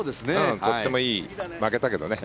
とってもいい、負けたけどね。